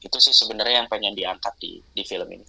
itu sih sebenarnya yang pengen diangkat di film ini